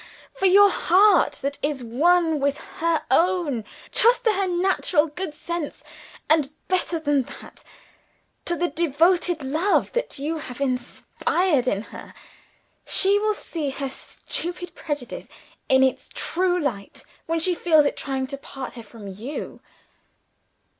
For your heart that is one with her own. Trust to her natural good sense and, better than that, to the devoted love that you have inspired in her. She will see her stupid prejudice in its true light, when she feels it trying to part her from _you.